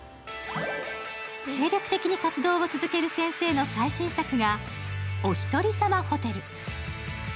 精力的に活動を続ける先生の最新作が「おひとりさまホテル」。